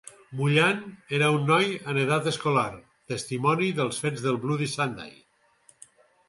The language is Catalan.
Mullan era un noi en edat escolar, testimoni dels fets del Bloody Sunday.